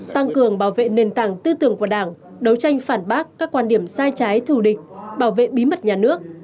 tăng cường bảo vệ nền tảng tư tưởng của đảng đấu tranh phản bác các quan điểm sai trái thù địch bảo vệ bí mật nhà nước